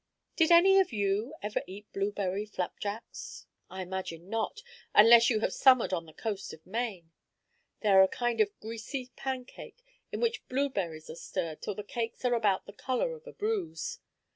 Did any of you ever eat blueberry flapjacks? I imagine not, unless you have summered on the coast of Maine. They are a kind of greasy pancake, in which blueberries are stirred till the cakes are about the color of a bruise.